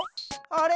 あれ？